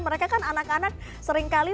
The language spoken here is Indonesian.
mereka kan anak anak seringkali